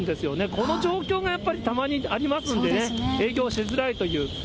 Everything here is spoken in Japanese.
この状況がたまにありますんで、影響しづらいという。